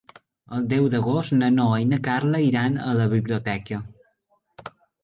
El deu d'agost na Noa i na Carla iran a la biblioteca.